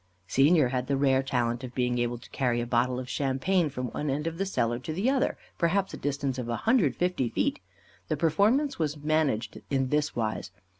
Senior had the rare talent of being able to carry a bottle of champagne from one end of the cellar to the other, perhaps a distance of a hundred and fifty feet. The performance was managed in this wise.